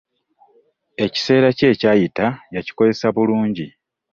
Ekiseera kye ekyayita yakikozesa bulungi.